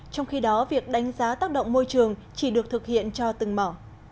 trong khi đó việc đánh giá tác động môi trường chỉ được thực hiện cho từng mỏ